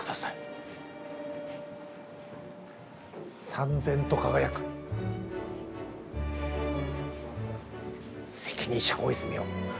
燦然と輝く責任者大泉洋。